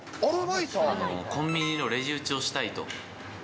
コンビニのレジ打ちをしたいと。